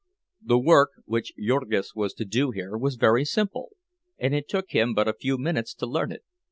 The work which Jurgis was to do here was very simple, and it took him but a few minutes to learn it.